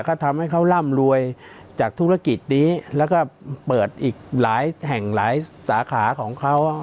ก็ทำให้เขาร่ำรวยจากธุรกิจนี้แล้วก็เปิดอีกหลายแห่งหลายสาขาของเขา